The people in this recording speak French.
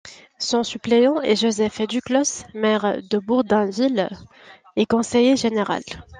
Son suppléant est Joseph Duclos, maire de Bourdainville et conseiller général.